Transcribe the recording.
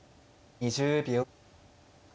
２０秒。